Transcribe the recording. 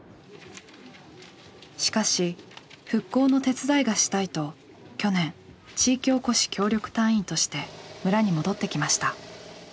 しかし「復興の手伝いがしたい」と去年地域おこし協力隊員として村に戻ってきました。